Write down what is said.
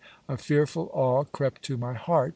A fearful awe crept to my heart.